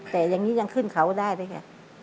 แต่อย่างนี้ยังขึ้นเขาได้ด้วยไง